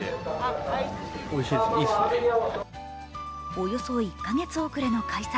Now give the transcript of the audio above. およそ１か月遅れの開催。